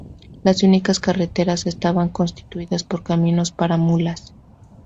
Las únicas carreteras estaban constituidas por caminos para mulas.